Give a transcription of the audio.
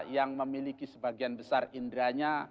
yang memiliki sebagian besar inderanya